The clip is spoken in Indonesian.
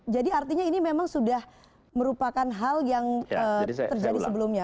jadi artinya ini memang sudah merupakan hal yang terjadi sebelumnya